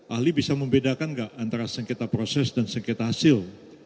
ahli bisa membedakan nggak antara sengketa proses dan sengketa hasil